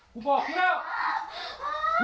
กูบอกพี่แม่ว